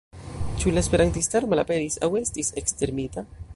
Ĉu la esperantistaro malaperis aŭ estis ekstermita?